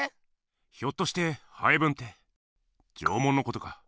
ひょっとしてハエブンって縄文のことか？